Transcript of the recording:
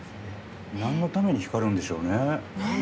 なんのために光るんでしょうね。